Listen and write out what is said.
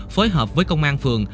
phối hợp với công an phường